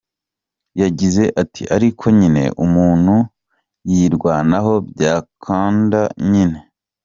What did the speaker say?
Yagize ati “Ariko nyine umuntu yirwanaho byakanda nyine….